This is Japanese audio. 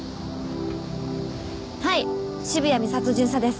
はい渋谷美里巡査です。